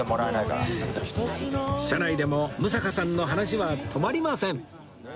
車内でも六平さんの話は止まりません